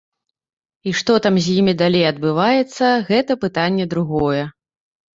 І што там з імі далей адбываецца, гэта пытанне другое.